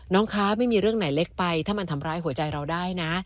คะไม่มีเรื่องไหนเล็กไปถ้ามันทำร้ายหัวใจเราได้นะ